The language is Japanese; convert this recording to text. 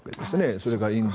それからインド